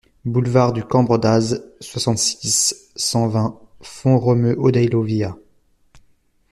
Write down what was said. Boulevard du Cambre d'Aze, soixante-six, cent vingt Font-Romeu-Odeillo-Via